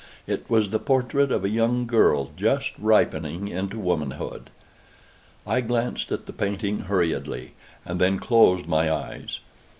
It was the portrait of a young girl just ripening into womanhood. I glanced at the painting hurriedly, and then closed my eyes.